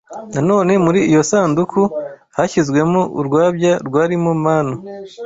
Nanone muri iyo sanduku hashyizwemo urwabya rwarimo manu